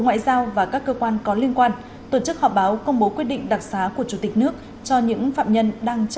hãy đăng ký kênh để ủng hộ kênh của chúng mình nhé